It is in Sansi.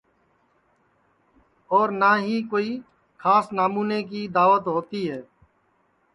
اور نہ ہی کوئی کھاس نامونے کی داوت ہوتی ہے